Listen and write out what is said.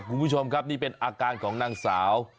คุณผู้ชมครับนี่เป็นอาการของนางสาว